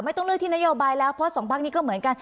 ไม่ต้องเลือกที่นโยบายแล้วเพราะสองพักนี้ก็เหมือนกัน